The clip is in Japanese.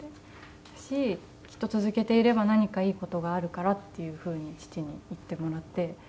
だしきっと続けていれば何かいい事があるからっていうふうに父に言ってもらって。